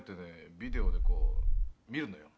ビデオでこう見るのよ」